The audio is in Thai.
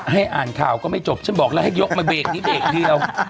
ให้อ่านข่าวก็ไม่จบฉันบอกแล้วให้ยกมาเบรกนี้เบรกเดียว